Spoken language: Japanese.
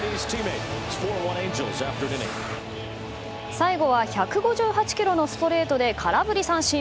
最後は１５８キロのストレートで空振り三振。